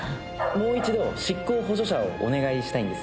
もう一度執行補助者をお願いしたいんです。